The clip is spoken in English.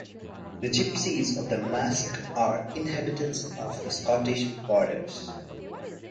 The Gypsies of the masque are inhabitants of the Scottish borders.